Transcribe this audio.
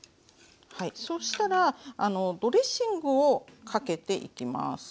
そしたらドレッシングをかけていきます。